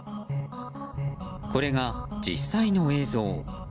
これが実際の映像。